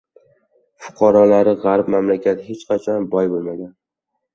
Fuqarolari g‘arib mamlakat hech qachon boy bo‘lmagan.